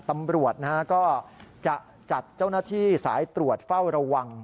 ตำรวจก็จะจัดเจ้าหน้าที่สายตรวจเฝ้าระวัง